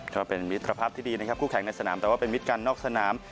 ก็เป็นมิตรภาพที่ดีนะครับคู่แข่งในสนามแต่ว่าเป็นมิตรกันนอกสนาม